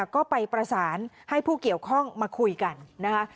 ก็ไปประสานให้ผู้เกี่ยวข้องมาคุยกันนะคะ